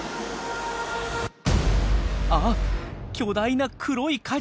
あっ巨大な黒い影！